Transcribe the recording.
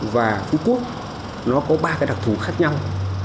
và phú quốc nó có ba đặc thủ khác nhau